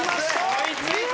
追いついた！